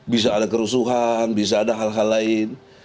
bisa ada kerusuhan bisa ada hal hal lain